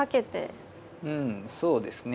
うんそうですね。